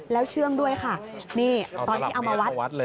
แล้วเชื่องด้วยค่ะนี่ตอนที่เอามาวัดเลย